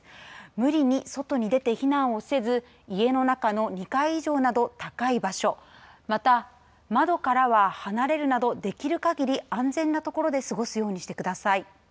無理に外に出て避難をせず家の中の２階以上など高い場所また窓からは離れるなどできるかぎり安全な所で過ごすようにしてください。